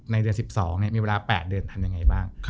ในเดือน๑๒มีเวลา๘เดือนทำยังไงบ้าง